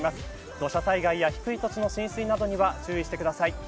土砂災害や低い土地の浸水などには注意してください。